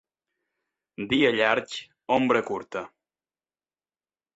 Dia llarg, ombra curta.